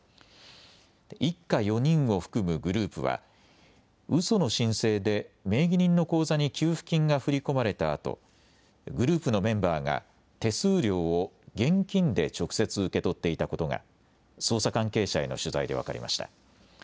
一家４人を含むグループは、うその申請で名義人の口座に給付金が振り込まれたあと、グループのメンバーが手数料を現金で直接受け取っていたことが、捜査関係者への取材で分かりました。